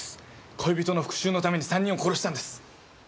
恋人の復讐のために３人を殺したんです。